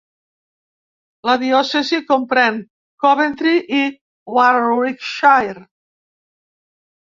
La diòcesi comprèn Coventry i Warwickshire.